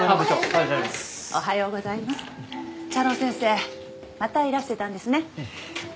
太郎先生またいらしてたんですね。